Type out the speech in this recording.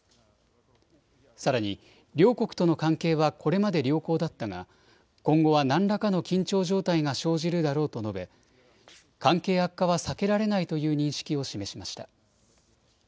さらに両国との関係はこれまで良好だったが今後は何らかの緊張状態が生じるだろうと述べ関係悪化は避けられないという認識を示しました。